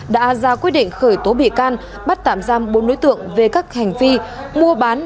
đã ra quyết định khởi tố bị can bắt tạm giam bốn đối tượng về các hành vi mua bán